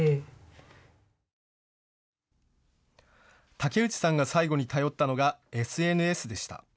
竹内さんが最後に頼ったのがＳＮＳでした。